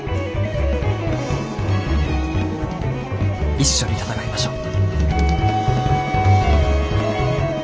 一緒に戦いましょう。